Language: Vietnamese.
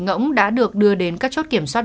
ngỗng đã được đưa đến các chốt kiểm soát